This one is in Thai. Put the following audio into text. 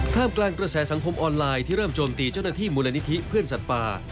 กลางกระแสสังคมออนไลน์ที่เริ่มโจมตีเจ้าหน้าที่มูลนิธิเพื่อนสัตว์ป่า